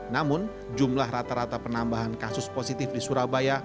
namun jumlah rata rata penambahan kasus positif di surabaya